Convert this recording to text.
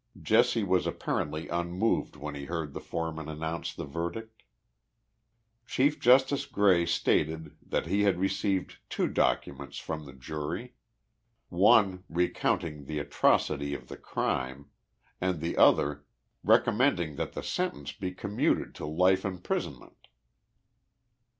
Jesse was apparently unmoved when he heard the foreman announce the verdict. Chief Justice Gray stated that lie had received two docu ments from the jury ; one, recounting the atrocity of the crime, and the other, recommending that* the sentence be commuted to life imprisonment.